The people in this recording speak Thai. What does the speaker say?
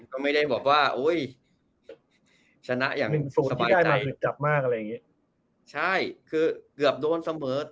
ก็ไม่ได้บอกว่าโอ้ยชนะอย่างสบายใจใช่คือเกือบโดนเสมอ